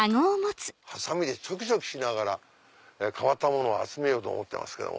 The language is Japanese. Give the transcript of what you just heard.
ハサミでチョキチョキしながら変わったものを集めようと思ってますけども。